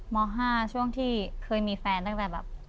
ม๕ช่วงที่เคยมีแฟนตั้งแต่แบบ